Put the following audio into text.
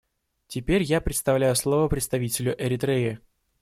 Теперь я предоставляю слово представителю Эритреи.